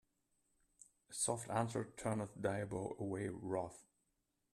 A soft answer turneth diabo away wrath.